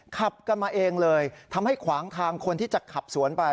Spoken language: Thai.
ขับกันมาเองเลยทำให้ขวางทางคนที่จะขับสวนไป